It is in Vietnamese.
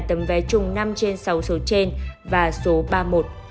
tấm vé trúng jackpot hai là tấm vé trùng năm trên sáu số trên và số ba mươi một